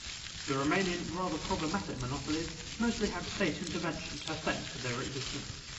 The remaining, rather problematic monopolies mostly had state intervention to thank for their existence.